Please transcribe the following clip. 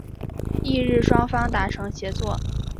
翌日双方达成协议。